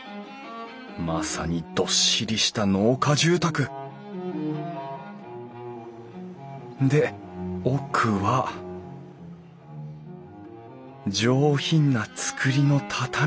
まさにどっしりした農家住宅で奥は上品な作りの畳敷き。